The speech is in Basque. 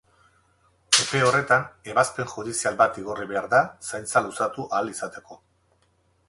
Epe horretan, ebazpen judizial bat igorri behar da zaintza luzatu ahal izateko.